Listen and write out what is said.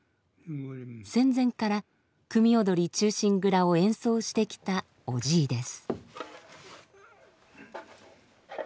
戦前から「組踊忠臣蔵」を演奏してきたおじいです。